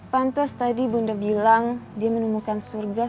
pantas tadi bunda bilang dia menemukan surga